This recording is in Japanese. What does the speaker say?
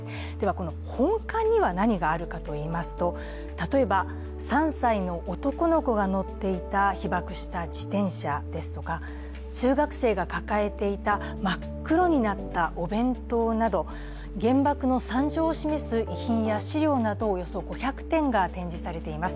この本館には何があるかといいますと、例えば、３歳の男の子が乗っていた被爆した自転車ですとか、中学生が抱えていた真っ黒になったお弁当など原爆の惨状を示す遺品や資料などおよそ５００点が展示されています。